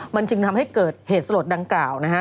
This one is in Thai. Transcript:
มันจึงทำให้เกิดเหตุสลดดังกล่าวนะฮะ